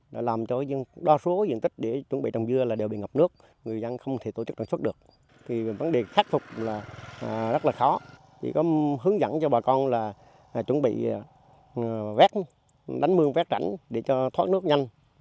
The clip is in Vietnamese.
đó là một số diện tích để chuẩn bị trồng dưa